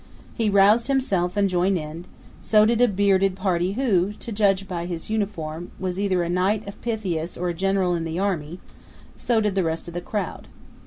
He roused himself and joined in; so did a bearded party who, to judge by his uniform, was either a Knight of Pythias or a general in the army; so did all the rest of the crowd.